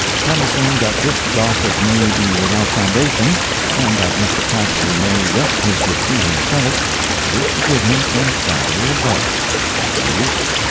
Premising that this gossip may be without foundation, and that Mr. Casserly may yet take his seat in the Senate, I wish to give him some fatherly advise, viz.